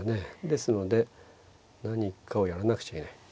ですので何かをやらなくちゃいけない。